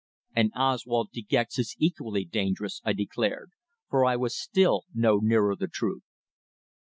"And Oswald De Gex is equally dangerous!" I declared, for I was still no nearer the truth.